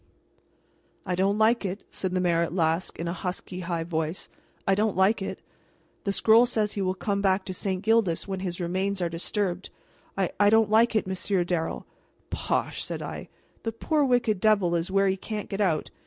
"I don't like it," said the mayor at last, in a husky, high voice. "I don't like it! The scroll says he will come back to St. Gildas when his remains are disturbed. I I don't like it, Monsieur Darrel " "Bosh!" said I; "the poor wicked devil is where he can't get out.